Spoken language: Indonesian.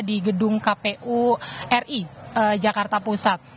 di gedung kpu ri jakarta pusat